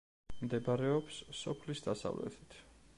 მდებარეობს სოფლის დასავლეთით.